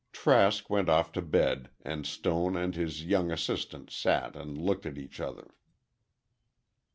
Trask went off to bed, and Stone and his young assistant sat and looked at each other.